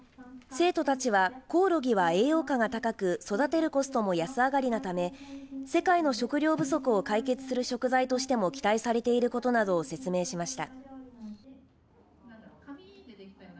生徒たちはコオロギは栄養価が高く育てるコストも安上がりなため世界の食糧不足を解決する食材としても期待されていることなどを説明しました。